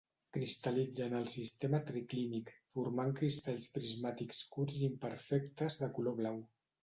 Cristal·litza en el sistema triclínic, formant cristalls prismàtics curts imperfectes de color blau.